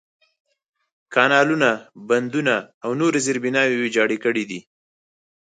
کانالونه، بندونه، او نورې زېربناوې ویجاړې کړي دي.